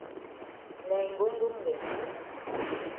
Na yi ngongngong dem.